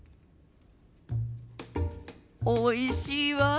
おいしいわあ。